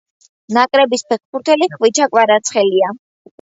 ნაკრების ფეხბურთელი ხვიჩა კვარაცხელია